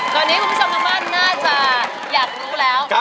ตอนนี้คุณผู้ชมทางบ้านน่าจะอยากรู้แล้ว